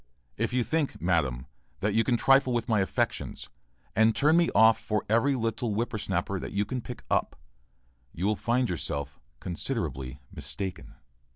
If you think, madam, that you can trifle with my affections, and turn me off for every little whipper snapper that you can pick up, you will find yourself considerably mistaken.